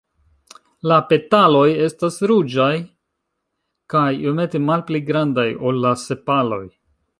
La petaloj estas ruĝaj kaj iomete malpli grandaj ol la sepaloj.